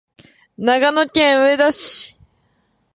長野県上田市